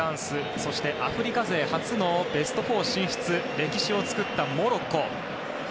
そしてアフリカ勢初のベスト４進出歴史を作ったモロッコ。